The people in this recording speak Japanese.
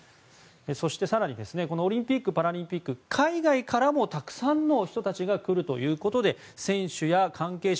そして更に、このオリンピック・パラリンピック海外からも、たくさんの人たちが来るということで選手や関係者